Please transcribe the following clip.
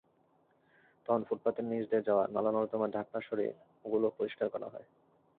তখন ফুটপাতের নিচ দিয়ে যাওয়া নালা-নর্দমার ঢাকনা সরিয়ে ওগুলোও পরিষ্কার করা হয়।